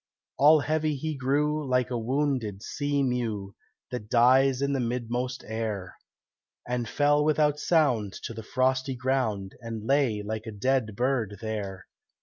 All heavy he grew, like a wounded sea mew That dies in the midmost air, And fell without sound to the frosty ground, And lay like a dead bird there.